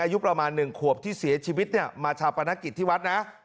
อายุประมาณ๑ขวบที่เสียชีวิตเนี่ยมาชาปนกิจที่วัดนะ